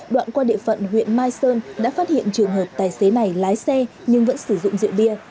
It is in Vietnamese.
đoạn qua địa phận huyện mai sơn đã phát hiện trường hợp tài xế này lái xe nhưng vẫn sử dụng rượu bia